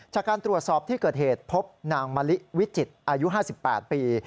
จากการตรวจสอบที่เกิดเหตุพบนางมะลิวิจิตรอายุ๕๘ปี